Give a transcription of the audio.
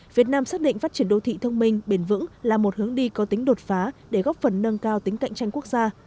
việt nam xác định phát triển đô thị thông minh bền vững là một hướng đi có tính đột phá để góp phần nâng cao tính cạnh tranh quốc gia